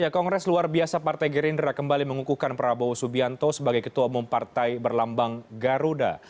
kongres luar biasa partai gerindra kembali mengukuhkan prabowo subianto sebagai ketua umum partai berlambang garuda